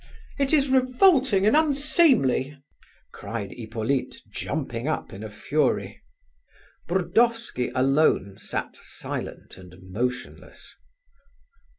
"It is revolting and unseemly!" cried Hippolyte, jumping up in a fury. Burdovsky alone sat silent and motionless.